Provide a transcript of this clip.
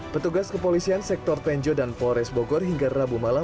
petugas kepolisian sektor tenjo dan polres bogor hingga rabu malam